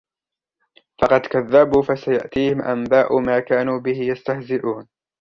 فَقَدْ كَذَّبُوا فَسَيَأْتِيهِمْ أَنْبَاءُ مَا كَانُوا بِهِ يَسْتَهْزِئُونَ